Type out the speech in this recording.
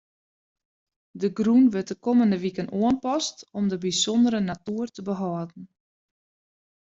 De grûn wurdt de kommende wiken oanpast om de bysûndere natoer te behâlden.